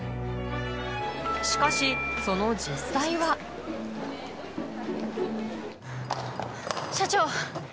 しかしその実際は社長！